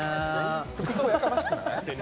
服装やかましくない？